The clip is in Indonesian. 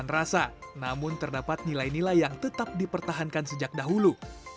bukan rasa namun terdapat nilai nilai yang tetap dipertahankan sejak dahulu